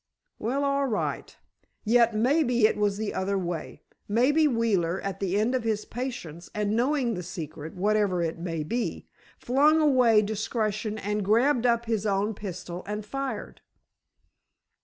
"Well, all right. Yet, maybe it was the other way. Maybe, Wheeler, at the end of his patience, and knowing the 'secret,' whatever it may be, flung away discretion and grabbed up his own pistol and fired."